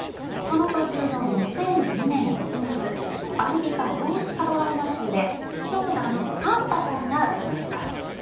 その途中の２００２年６月アメリカ・ノースカロライナ州で長男のパンパさんが生まれます。